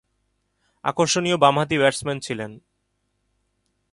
আকর্ষণীয় বামহাতি ব্যাটসম্যান ছিলেন।